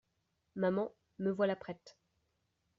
Maman, me voilà prête.